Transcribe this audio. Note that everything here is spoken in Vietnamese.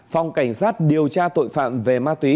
phòng cảnh sát điều tra tội phạm về ma túy